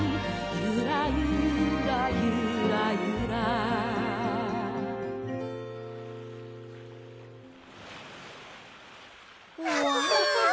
「ゆーらゆーらゆーらゆーら」わ！